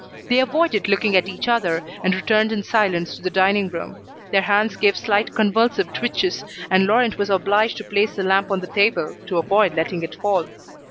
They avoided looking at each other, and returned in silence to the dining room. Their hands gave slight convulsive twitches, and Laurent was obliged to place the lamp on the table, to avoid letting it fall.